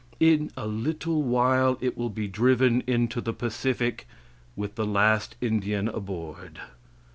In a little while it will be driven into the Pacific, with the last Indian aboard.